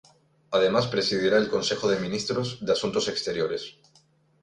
Además presidirá el Consejo de ministros de Asuntos exteriores.